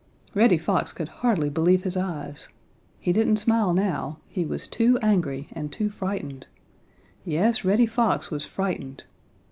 Reddy Fox could hardly believe his eyes. He didn't smile now. He was too angry and too frightened. Yes, Reddy Fox was frightened.